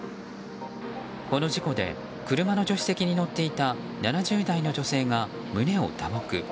この事故で車の助手席に乗っていた７０代の女性が胸を打撲。